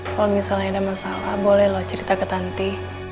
kalau misalnya ada masalah boleh loh cerita ke tanti